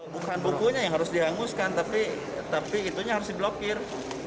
bukan bukunya yang harus dihanguskan tapi itunya harus diblokir